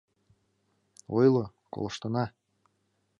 Ойло, колыштына...